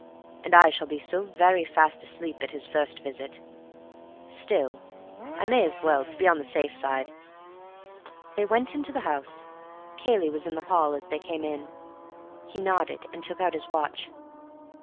And I shall be so very fast asleep at his first visit. Still, I may as well—to be on the safe side." They went into the house. Cayley was in the hall as they came in. He nodded, and took out his watch.